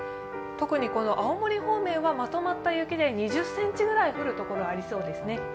特に青森方面はまとまった雪で２０ｃｍぐらい降るところがありそうですね。